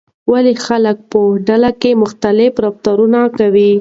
ولې خلک په ډلو کې مختلف رفتارونه کوي؟